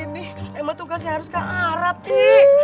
kalo emang udah begini emang tugasnya harus ke arab ti